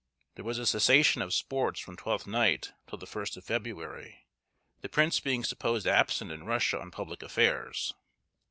There was a cessation of sports from Twelfth Night till the 1st of February, the prince being supposed absent in Russia on public affairs.